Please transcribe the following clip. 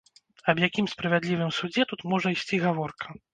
Аб якім справядлівым судзе тут можа ісці гаворка?